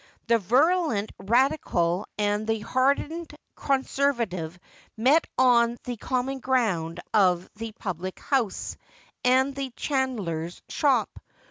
The virulent Eadical and the hardened Conservative met on the common ground of the public house and the chandler's shop.